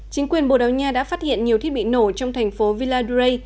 chính quyền bồ đào nha đã phát hiện nhiều thiết bị nổ trong thành phố villa duray